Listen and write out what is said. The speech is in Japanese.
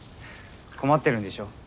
困ってるんでしょ？